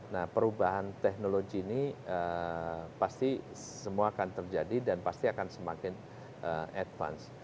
nah perubahan teknologi ini pasti semua akan terjadi dan pasti akan semakin advance